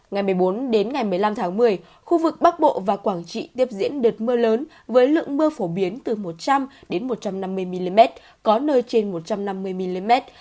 ngày một mươi bốn đến ngày một mươi năm tháng một mươi khu vực bắc bộ và quảng trị tiếp diễn đợt mưa lớn với lượng mưa phổ biến từ một trăm linh một trăm năm mươi mm có nơi trên một trăm năm mươi mm